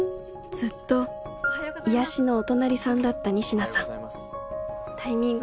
ずっと癒やしのお隣さんだった仁科さんタイミング